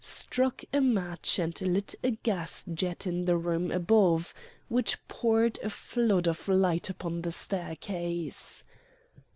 struck a match and lit a gas jet in the room above, which poured a flood of light upon the staircase.